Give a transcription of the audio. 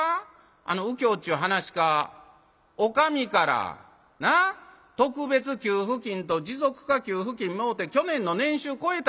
あの右喬ちゅう噺家お上から特別給付金と持続化給付金もろて去年の年収超えた